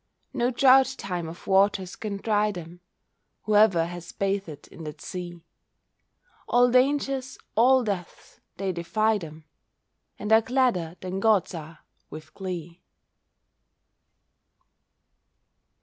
No drouth time of waters can dry them. Whoever has bathed in that sea, All dangers, all deaths, they defy them, And are gladder than gods are, with glee.